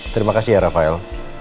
terima kasih ya rafael